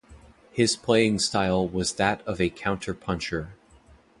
His playing style was that of a counter-puncher.